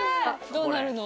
どうなるの？